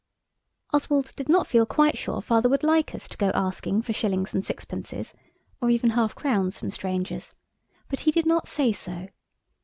Oswald did not feel quite sure Father would like us to go asking for shillings and sixpences, or even half crowns from strangers, but he did not say so.